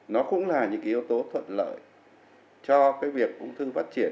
nó cũng là những cái yếu tố thuận lợi cho cái việc ung thư phát triển